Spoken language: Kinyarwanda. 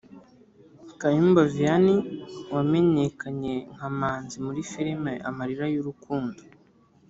Kayumba Vianney wamenyekanye nka Manzi muri filime Amarira y’urukundo